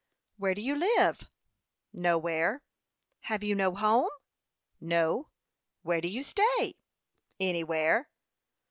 "Where do you live?" "Nowhere." "Have you no home?" "No." "Where do you stay?" "Anywhere."